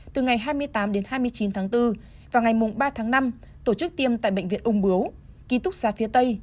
từ ngày hai mươi tám đến hai mươi chín tháng bốn và ngày ba tháng năm tổ chức tiêm tại bệnh viện ung bướu ký túc xa phía tây